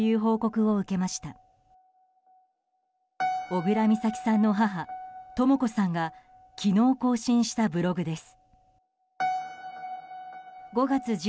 小倉美咲さんの母とも子さんが昨日更新したブログです。